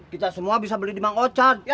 kita semua bisa beli di mang ocat